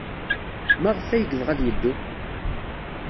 Maɣef ay yebɣa ad yeddu?